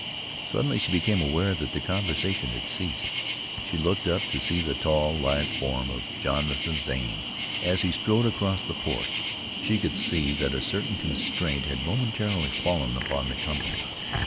Suddenly she became aware that the conversation had ceased. She looked up to see the tall, lithe form of Jonathan Zane as he strode across the porch. She could see that a certain constraint had momentarily fallen upon the company.